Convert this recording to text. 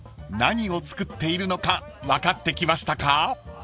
［何を作っているのか分かってきましたか？］